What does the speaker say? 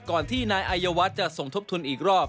ก่อนที่นายอายวัฒน์จะสมทบทุนอีกรอบ